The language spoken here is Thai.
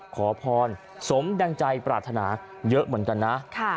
ขอพรสมดังใจปรารถนาเยอะเหมือนกันนะ